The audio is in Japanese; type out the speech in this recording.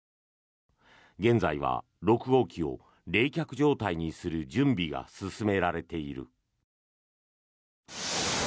現在は６号機を冷却状態にする準備が進められている。